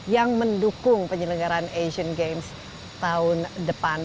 yang mendukung penyelenggaran asian games tahun depan